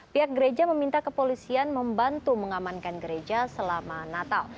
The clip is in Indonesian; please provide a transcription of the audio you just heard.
pihak gereja meminta kepolisian membantu mengamankan gereja selama natal